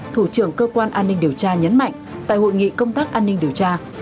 thủ trưởng cơ quan an ninh điều tra nhấn mạnh tại hội nghị công tác an ninh điều tra